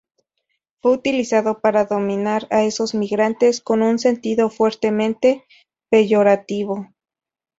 Fue utilizado para denominar a esos migrantes con un sentido fuertemente peyorativo.